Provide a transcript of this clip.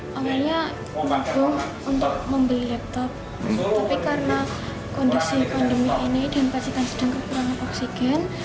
awalnya untuk membeli laptop tapi karena kondisi pandemi ini dan pastikan sedang kekurangan oksigen